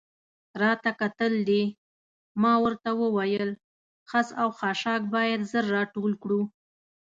راته کتل دې؟ ما ورته وویل: خس او خاشاک باید ژر را ټول کړو.